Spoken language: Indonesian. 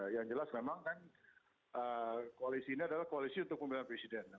yang jelas memang kan koalisi ini adalah koalisi untuk pemilihan presiden